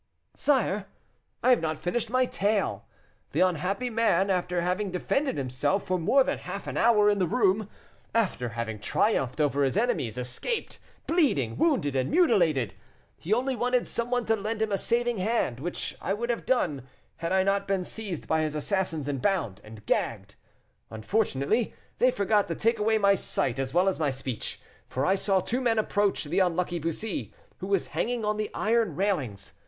"Sire, I have not finished my tale. The unhappy man, after having defended himself for more than half an hour in the room, after having triumphed over his enemies, escaped, bleeding, wounded, and mutilated: he only wanted some one to lend him a saving hand, which I would have done had I not been seized by his assassins, and bound, and gagged. Unfortunately, they forgot to take away my sight as well as my speech, for I saw two men approach the unlucky Bussy, who was hanging on the iron railings.